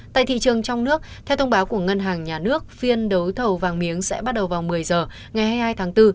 tại thị trường trong nước theo thông báo của ngân hàng nhà nước phiên đấu thầu vàng miếng sẽ bắt đầu vào một mươi h ngày hai mươi hai tháng bốn